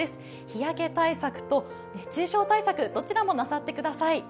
日焼け対策と熱中症対策、どちらもなさってください。